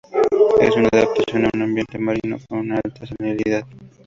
Esta es una adaptación a un ambiente marino con una alta salinidad.